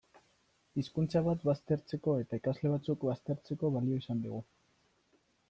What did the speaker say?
Hizkuntza bat baztertzeko eta ikasle batzuk baztertzeko balio izan digu.